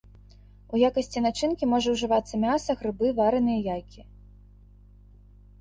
У якасці начынкі можа ўжывацца мяса, грыбы, вараныя яйкі.